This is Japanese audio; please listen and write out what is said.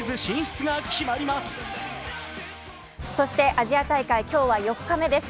アジア大会、今日は４日目です。